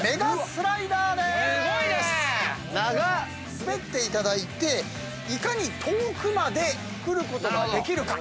滑っていただいていかに遠くまで来ることができるか。